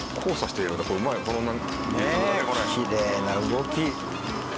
きれいな動き。